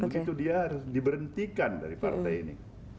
begitu dia harus diberhentikan dari partai ini